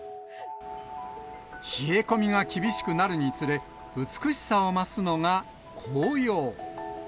冷え込みが厳しくなるにつれ、美しさを増すのが紅葉。